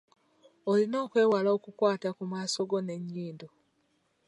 Olina okwewala okukwata ku maaso go n’ennyindo.